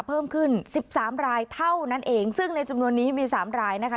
เพิ่มขึ้นสิบสามรายเท่านั้นเองซึ่งในจำนวนนี้มีสามรายนะคะ